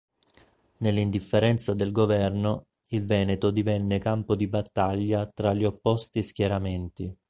Nell'indifferenza del governo, il Veneto divenne campo di battaglia tra gli opposti schieramenti.